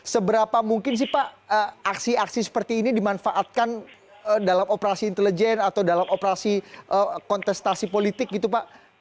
seberapa mungkin sih pak aksi aksi seperti ini dimanfaatkan dalam operasi intelijen atau dalam operasi kontestasi politik gitu pak